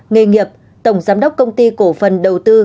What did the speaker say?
nghề nghiệp tổng giám đốc công ty cổ phần đầu tư